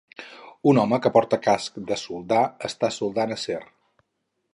Un home que porta casc de soldar està soldant acer.